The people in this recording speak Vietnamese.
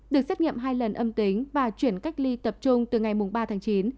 được xét nghiệm hai lần âm tính và chuyển cách ly tập trung từ ngày ba tháng chín